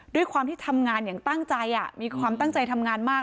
ด้วยความที่ทำงานอย่างตั้งใจมีความตั้งใจทำงานมาก